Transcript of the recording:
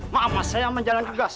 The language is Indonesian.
ma'am mas saya yang menjalani tugas